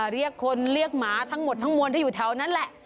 เรียกคนเรียกหมาทั้งหมดทั้งมวลที่อยู่แถวนั้นแหละ